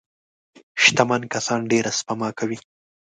شتمن کسان ډېره سپما کوي.